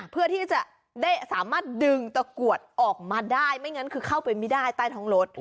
เพื่อที่จะได้สามารถดึงตะกรวดออกมาได้ไม่งั้นคือเข้าไปไม่ได้ใต้ท้องรถ